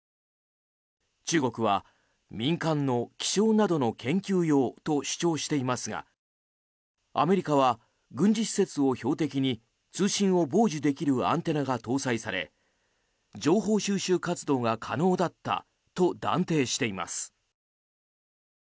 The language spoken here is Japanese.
中国は民間の気象などの研究用と主張していますがアメリカは、軍事施設を標的に通信を傍受できるアンテナが搭載され情報収集活動が可能だったと断定しています。